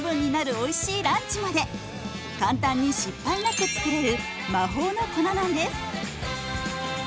おいしいランチまで簡単に失敗なく作れる魔法の粉なんです。